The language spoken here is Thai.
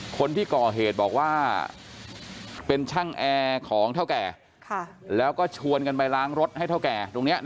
คนที่ก่อเหตุบอกว่าเป็นช่างแอร์ของเท่าแก่แล้วก็ชวนกันไปล้างรถให้เท่าแก่ตรงนี้